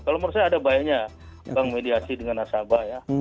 kalau menurut saya ada baiknya bank mediasi dengan nasabah ya